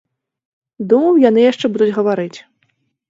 Думаў, яны яшчэ будуць гаварыць.